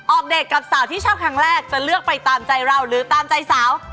เด็กกับสาวที่ชอบครั้งแรกจะเลือกไปตามใจเราหรือตามใจสาว